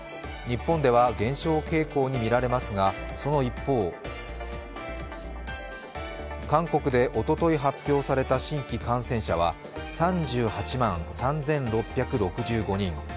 日本では減少傾向にみられますがその一方韓国でおととい発表された新規感染者は３８万３６６５人。